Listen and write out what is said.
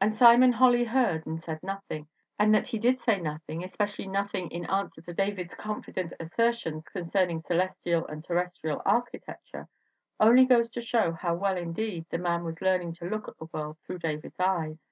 "And Simon Holly heard, and said nothing, and that he did say nothing especially nothing in an swer to David's confident assertions concerning celes tial and terrestrial architecture only goes to show how well, indeed, the man was learning to look at the world through David's eyes.